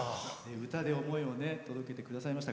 歌で思いを届けてくださいました。